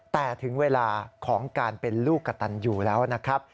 แต่ถึงเวลาของการเป็นลูกกระตันอยู่แล้วนะครับ